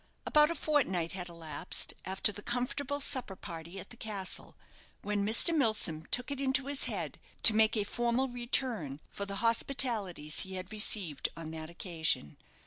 About a fortnight had elapsed after the comfortable supper party at the castle, when Mr. Milsom took it into his head to make a formal return for the hospitalities he had received on that occasion.